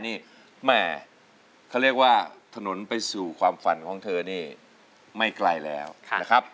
นะครับมาดูสิว่าจะได้หรือไม่นะครับ